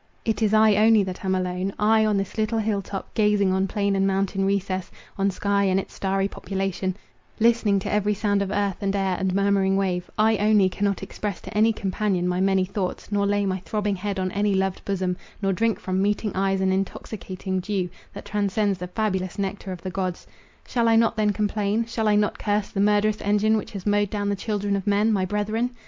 It is I only that am alone—I, on this little hill top, gazing on plain and mountain recess—on sky, and its starry population, listening to every sound of earth, and air, and murmuring wave,—I only cannot express to any companion my many thoughts, nor lay my throbbing head on any loved bosom, nor drink from meeting eyes an intoxicating dew, that transcends the fabulous nectar of the gods. Shall I not then complain? Shall I not curse the murderous engine which has mowed down the children of men, my brethren?